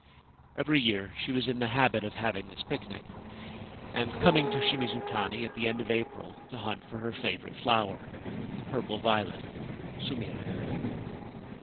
Every year she was in the habit of having this picnic, and coming to Shimizu tani at the end of April to hunt for her favourite flower, the purple violet (sumire).